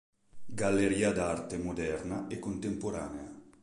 Galleria d'Arte Moderna e Contemporanea